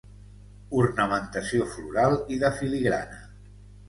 Ornamentació floral i de filigrana.